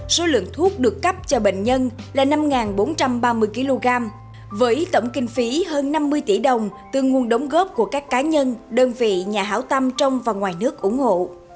số lượng thuốc được cấp cho bệnh nhân là năm bốn trăm ba mươi kg với tổng kinh phí hơn năm mươi tỷ đồng từ nguồn đóng góp của các cá nhân đơn vị nhà hảo tâm trong và ngoài nước ủng hộ